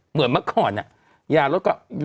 เหมือนเมื่อก่อนยาลดก็